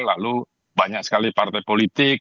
lalu banyak sekali partai politik